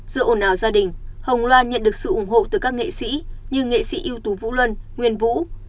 giữa ồn ào gia đình hồng loan nhận được sự ủng hộ từ các nghệ sĩ như nghệ sĩ yêu thù vũ luân nguyên vũ